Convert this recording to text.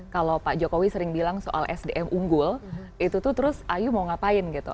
kalau pak jokowi sering bilang soal sdm unggul itu tuh terus ayu mau ngapain gitu